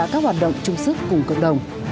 các hoạt động chung sức cùng cộng đồng